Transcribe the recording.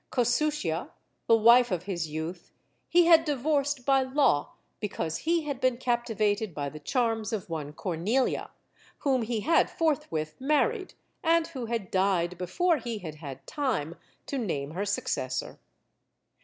Cossutia, the wife of his youth, he had divorced by law because he had been captivated by the charms of one Cornelia, whom he had forthwith married, and who had died before he had had time to name her successor.